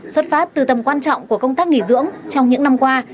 xuất phát từ tầm quan trọng của công tác nghỉ dưỡng trong những năm qua